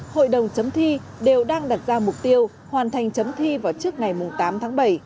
hội đồng chấm thi đều đang đặt ra mục tiêu hoàn thành chấm thi vào trước ngày tám tháng bảy